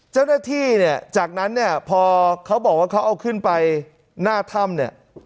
เจ้าหน้าที่เนี่ยจากนั้นเนี่ยพอเขาบอกว่าเขาเอาขึ้นไปหน้าถ้ำเนี่ย